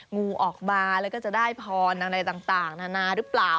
งูออกมาแล้วก็จะได้พรอะไรต่างนานาหรือเปล่า